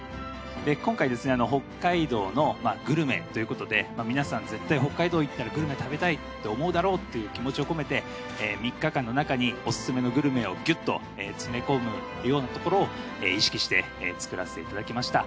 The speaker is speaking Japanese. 今回ですね北海道のグルメということで皆さん絶対北海道行ったらグルメ食べたいって思うだろうという気持ちを込めて３日間の中にオススメのグルメをギュッと詰め込むようなところを意識して作らせていただきました。